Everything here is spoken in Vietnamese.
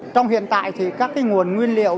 trong hiện tại thì các nguồn nguyên liệu